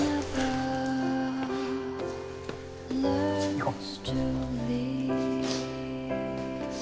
行こう。